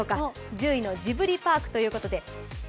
１０位の「ジブリパーク」ということで。